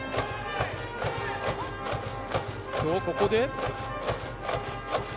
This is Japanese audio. ここで。